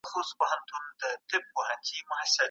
نه چڼچڼۍ سته، نه د زرکو آواز، د چا شپېليو کي نغمې ويښوي